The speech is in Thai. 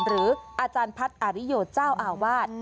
หรืออาจารย์พัฒน์อาริโยเจ้าอาวาส